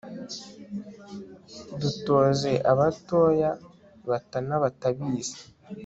dutoze abatoya batana batabizi